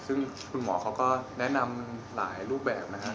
ซึ่งคุณหมอเขาก็แนะนำหลายรูปแบบนะครับ